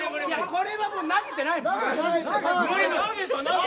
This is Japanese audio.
これは、もう投げてないもん。